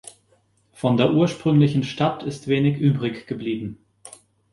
Von der ursprünglichen Stadt ist wenig übrig geblieben.